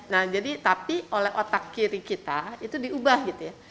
nah jadi tapi oleh otak kiri kita itu diubah gitu ya